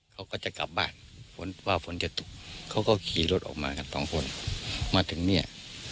เยอะมากกระจุกใหญ่มากเลย